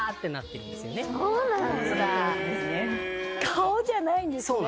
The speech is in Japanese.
顔じゃないんですね。